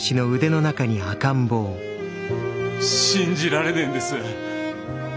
信じられねえんです。